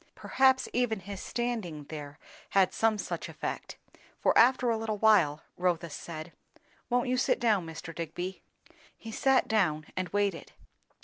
Perhaps even his standing there had some such effect; for after a little while, Rotha said, "Won't you sit down, Mr. Digby?" He sat down, and waited.